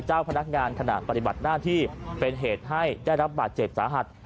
เจ้าพนักงานขณะปฏิบัติหน้าที่เป็นเหตุให้ได้รับบาดเจ็บสาหัส